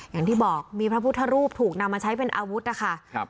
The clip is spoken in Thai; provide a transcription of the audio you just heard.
อย่างที่บอกมีพระพุทธรูปถูกนำมาใช้เป็นอาวุธนะคะ